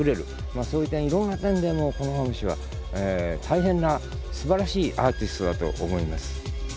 まあそういったいろんな点でコノハムシは大変なすばらしいアーティストだと思います。